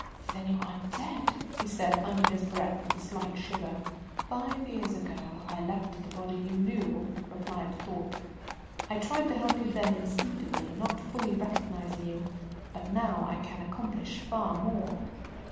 "Then you are dead?" he said under his breath with a slight shiver. "Five years ago I left the body you knew," replied Thorpe. "I tried to help you then instinctively, not fully recognising you. But now I can accomplish far more."